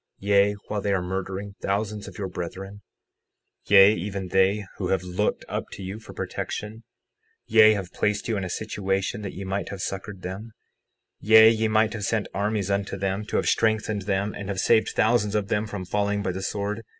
Yea, while they are murdering thousands of your brethren— 60:8 Yea, even they who have looked up to you for protection, yea, have placed you in a situation that ye might have succored them, yea, ye might have sent armies unto them, to have strengthened them, and have saved thousands of them from falling by the sword.